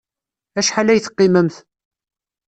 Acḥal ay teqqimemt?